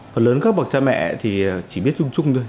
phần lớn các bậc cha mẹ thì chỉ biết chung chung thôi